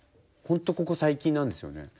ほんとここ最近なんですよね。